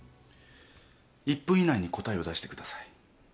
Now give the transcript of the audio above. １分以内に答えを出してください。